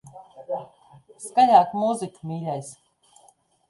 Skaļāk mūziku, mīļais.